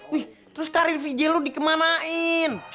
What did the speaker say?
wih terus karir vijay lu dikemanain